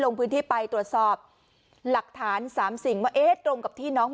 ลงพื้นที่ไปตรวจสอบหลักฐานสามสิ่งว่าเอ๊ะตรงกับที่น้อง